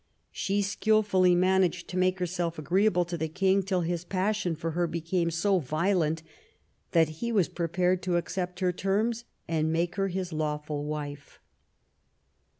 She skilfully managed to make her self agreeable to the king till his passion for her became so violent that he was prepared to accept her terms and make her his lawful wife.